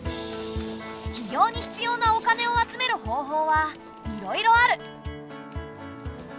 起業に必要なお金を集める方法はいろいろある。